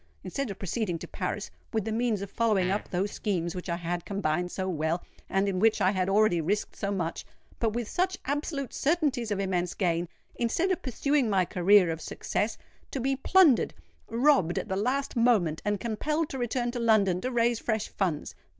Instead of proceeding to Paris—with the means of following up those schemes which I had combined so well, and in which I had already risked so much—but with such absolute certainties of immense gain,—instead of pursuing my career of success,—to be plundered—robbed at the last moment—and compelled to return to London to raise fresh funds!